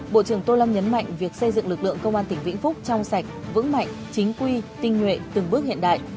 bộ trưởng tô lâm nhấn mạnh việc xây dựng lực lượng công an tỉnh vĩnh phúc trong sạch vững mạnh chính quy tinh nhuệ từng bước hiện đại